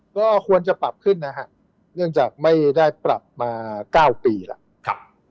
ก็ควรจะปรับขึ้นนะฮะเนื่องจากไม่ได้ปรับมา๙ปีแล้ว